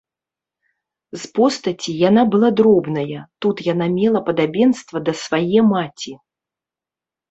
З постаці яна была дробная, тут яна мела падабенства да свае маці.